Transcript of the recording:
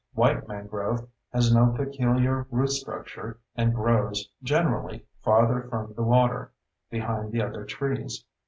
White mangrove has no peculiar root structure and grows, generally, farther from the water, behind the other trees.